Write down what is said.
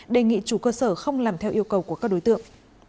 đề nghị chủ cơ sở không làm theo yêu cầu của các đối tượng